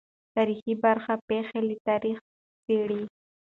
تاریخي برخه پېښه له تاریخه څېړي.